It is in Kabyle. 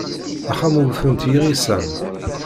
Axxam wwten-t yiγisan.